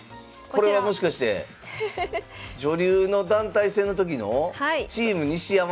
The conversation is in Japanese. これはもしかして⁉女流の団体戦の時のチーム西山！